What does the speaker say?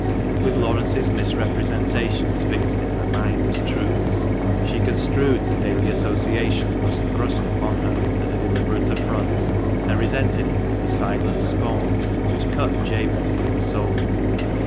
With Laurence's misrepresentations fixed in her mind as truths, she construed the daily association thus thrust upon her as a deliberate affront, and resented it with a silent scorn which cut Jabez to the soul.